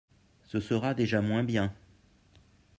Ce sera déjà moins bien.